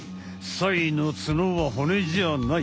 サイの角は骨じゃない！